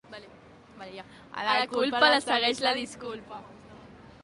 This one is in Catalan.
A la culpa la segueix la disculpa.